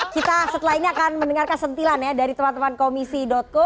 kita setelah ini akan mendengarkan sentilan ya dari teman teman komisi co